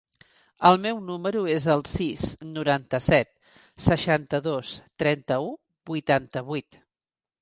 El meu número es el sis, noranta-set, seixanta-dos, trenta-u, vuitanta-vuit.